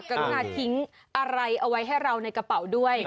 กรุณาทิ้งอะไรเอาไว้ให้เราในกระเป๋าด้วย